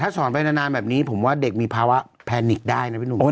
สอนไปนานแบบนี้ผมว่าเด็กมีภาวะแพนิกได้นะพี่หนุ่ม